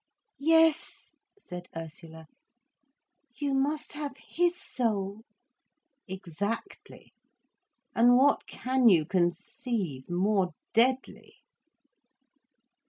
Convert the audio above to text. "Yes," said Ursula. "You must have his soul." "Exactly! And what can you conceive more deadly?"